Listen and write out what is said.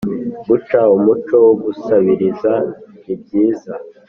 Guca umuco wo gusabiriza nibyiza